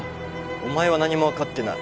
お前は何も分かってない。